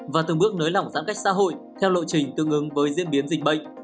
và từng bước nới lỏng giãn cách xã hội theo lộ trình tương ứng với diễn biến dịch bệnh